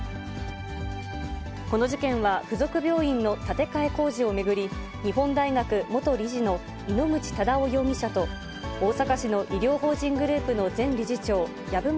この事件は、付属病院の建て替え工事を巡り、日本大学元理事の井ノ口忠男容疑者と、大阪市の医療法人グループの前理事長、籔本